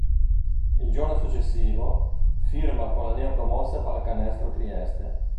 Il giorno successivo, firma con la neo-promossa Pallacanestro Trieste.